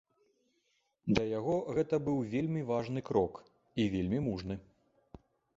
Для яго гэта быў вельмі важны крок і вельмі мужны.